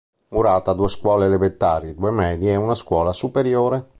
Murata ha due scuole elementari, due medie e una scuola superiore.